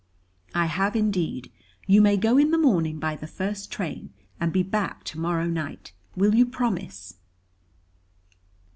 "I have indeed. You may go in the morning by the first train, and be back to morrow night. Will you promise?"